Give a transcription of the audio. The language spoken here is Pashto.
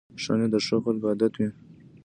ښه نیت د ښو خلکو عادت وي.